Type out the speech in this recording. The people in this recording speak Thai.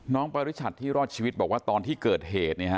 ปริชัดที่รอดชีวิตบอกว่าตอนที่เกิดเหตุ